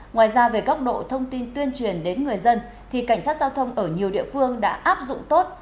ngoài ra về góc độ thông tin tuyên truyền đến người dân thì cảnh sát giao thông ở nhiều địa phương đã áp dụng tốt